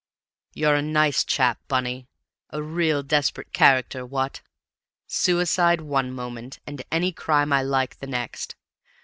"You're a nice chap, Bunny! A real desperate character what? Suicide one moment, and any crime I like the next!